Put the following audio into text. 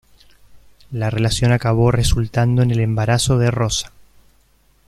La relación acabó resultando en el embarazo de Rosa.